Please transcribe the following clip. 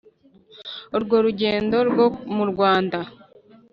urwo rugendo rwo mu rwanda